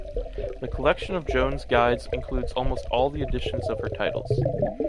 The collection of Joanne's Guides includes almost all the editions of her titles.